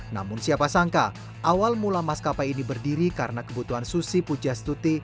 namun siapa sangka awal mula maskapai ini berdiri karena kebutuhan susi pujastuti